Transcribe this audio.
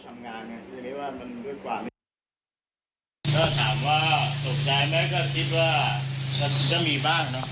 เรียกร้องไหม